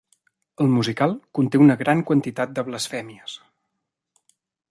El musical conté una gran quantitat de blasfèmies.